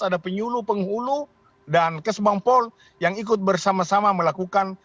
ada penyuluh penghulu dan kesbangpol yang ikut bersama sama melakukan